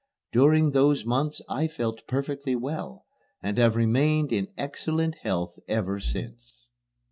During those months I felt perfectly well, and have remained in excellent health ever since.